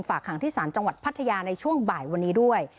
หางที่ศาลจังหวัดพัทยาในช่วงบ่ายวันนี้ด้วย